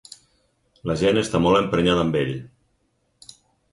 La gent està molt emprenyada amb ell.